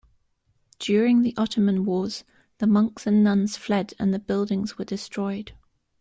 During the Ottoman wars the monks and nuns fled and the buildings were destroyed.